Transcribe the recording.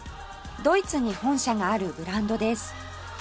ドイツに本社があるブランドです